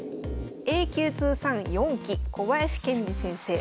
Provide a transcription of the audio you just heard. Ａ級通算４期小林健二先生。